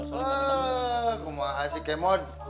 gak mau asik kemon